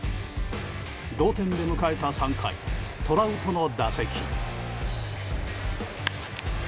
同点で迎えた３回トラウトの打席。